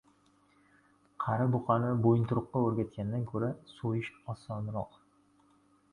• Qari buqani bo‘yinturuqqa o‘rgatgandan ko‘ra so‘yish osonroq.